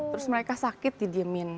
terus mereka sakit didiemin